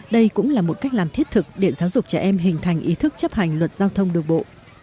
đây cũng là một cách làm thiết thực để giáo dục trẻ em hình thành ý thức chấp hành luật giao thông đường bộ